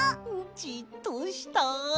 じっとしたい。